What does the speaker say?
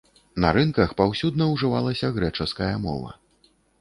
На рынках паўсюдна ўжывалася грэчаская мова.